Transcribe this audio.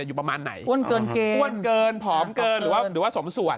อยู่ประมาณไหนอ้วนเกินเกินอ้วนเกินผอมเกินหรือว่าหรือว่าสมส่วน